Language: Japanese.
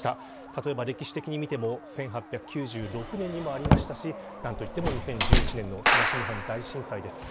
例えば歴史的に見ても１８９６年にもありましたし何といっても２０１１年の東日本大震災です。